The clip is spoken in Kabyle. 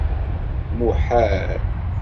Muḥal!